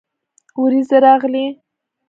ورېځې راغلې